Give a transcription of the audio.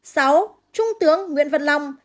sáu trung tướng nguyễn văn long